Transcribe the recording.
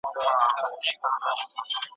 د خلګو انديښني څنګه لري کیږي؟